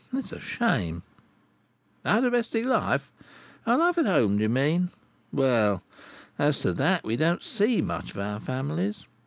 It's a shame. "Our domestic life—our life at home, you mean? Well, as to that, we don't see much of our families.